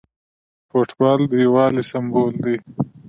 فوټبال د یووالي سمبول دی.